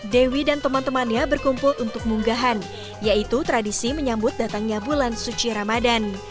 dewi dan teman temannya berkumpul untuk munggahan yaitu tradisi menyambut datangnya bulan suci ramadan